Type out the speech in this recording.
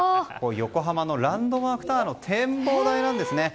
横浜のランドマークタワーの展望台なんですね。